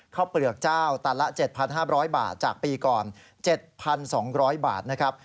เปลือกเจ้าตันละ๗๕๐๐บาทจากปีก่อน๗๒๐๐บาทนะครับ